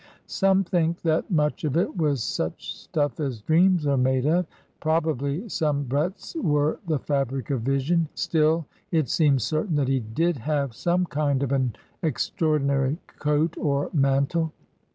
Some think that much of it wa^ such stuff as dreams are made of. Prob ably some breadths were the fabric of vision. Still it seems certain that he did have some kind of an extraordinary coat or mantle.